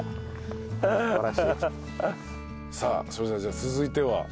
さあそれでは続いては？